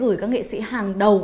và gửi các nghệ sĩ hàng đầu